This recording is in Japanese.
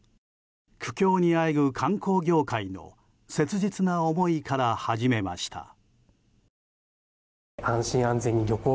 苦境にあえぐ観光業界の切実な思いから始めました。